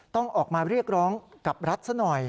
ต้องออกมาเรียกร้องกับรัฐซะหน่อย